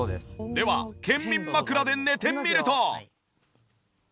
では健眠枕で寝てみると。